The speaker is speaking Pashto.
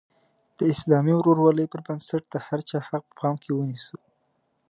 د اسلامي ورورولۍ پر بنسټ د هر چا حق په پام کې ونیسو.